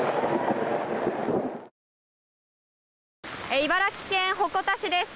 茨城県鉾田市です。